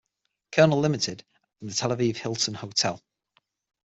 Colonel Limited, and the Tel Aviv Hilton Hotel.